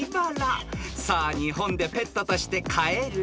［さあ日本でペットとして飼える？